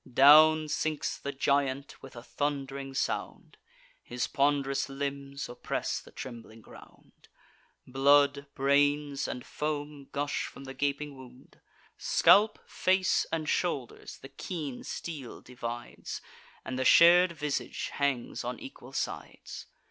Down sinks the giant with a thund'ring sound: His pond'rous limbs oppress the trembling ground; Blood, brains, and foam gush from the gaping wound: Scalp, face, and shoulders the keen steel divides, And the shar'd visage hangs on equal sides.